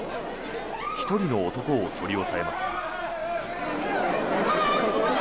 １人の男を取り押さえます。